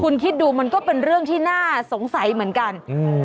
คุณคิดดูมันก็เป็นเรื่องที่น่าสงสัยเหมือนกันอืม